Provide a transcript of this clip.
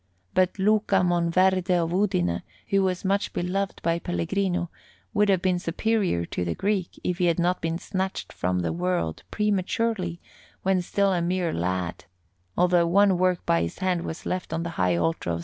But Luca Monverde of Udine, who was much beloved by Pellegrino, would have been superior to the Greek, if he had not been snatched from the world prematurely when still a mere lad; although one work by his hand was left on the high altar of S.